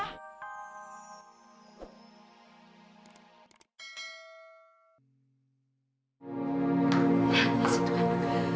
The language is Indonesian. nah disitu kan